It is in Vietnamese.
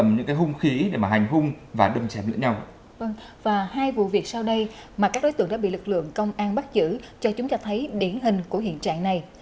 và hai vụ việc sau đây mà các đối tượng đã bị lực lượng công an bắt giữ cho chúng ta thấy điển hình của hiện trạng này